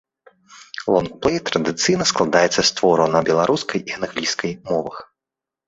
Лонгплэй традыцыйна складаецца з твораў на беларускай і англійскай мовах.